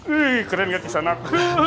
iiih keren gak kisah nak